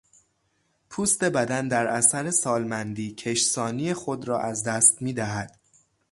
پوست بدن در اثر سالمندی، کشسانی خود را از دست میدهد.